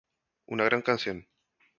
Una gran canción".